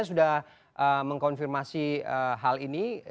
sudah mengkonfirmasi hal ini